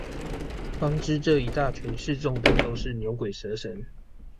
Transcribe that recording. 方知這一大群示眾的都是牛鬼蛇神